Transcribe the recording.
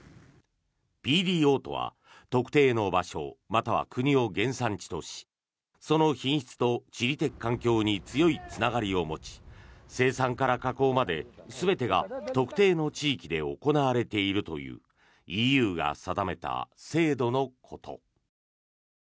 ＰＤＯとは、特定の場所または国を原産地としその品質と地理的環境に強いつながりを持ち生産から加工まで全てが特定の地域で行われているというＥＵが定めた制度のこと。